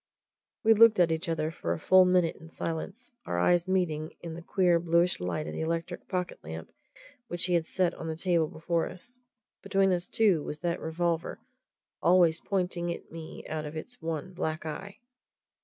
We looked at each other for a full minute in silence our eyes meeting in the queer, bluish light of the electric pocket lamp which he had set on the table before us. Between us, too, was that revolver always pointing at me out of its one black eye.